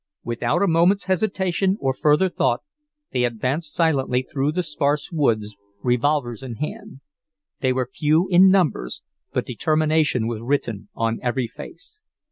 Without a moment's hesitation or further thought, they advanced silently through the sparse woods, revolvers in hand. They were few in numbers, but determination was written on every face.